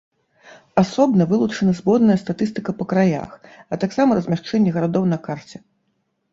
Асобна вылучана зборная статыстыка па краях, а таксама размяшчэнне гарадоў на карце.